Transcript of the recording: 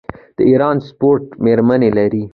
د ایران سپورټ میرمنې لري.